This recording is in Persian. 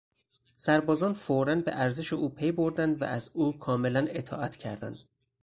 سربازان فورا به ارزش او پی بردند و از او کاملا اطاعت کردند.